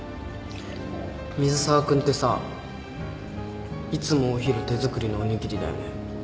水沢君ってさいつもお昼手作りのおにぎりだよね。